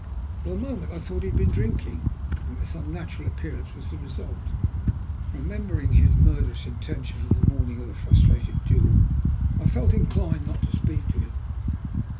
For the moment I thought he had been drinking, and that his unnatural appearance was the result. Remembering his murderous intention on the morning of the frustrated duel, I felt inclined not to speak to him.